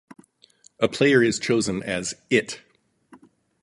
A player is chosen as 'It.